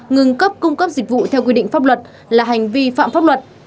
ngừng cấp cung cấp dịch vụ theo quy định pháp luật là hành vi phạm pháp luật